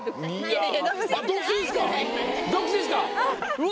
うわ！